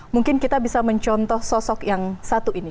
mungkin kita bisa mencontoh sosok yang satu ini